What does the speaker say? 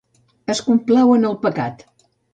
Es complau en el pecat.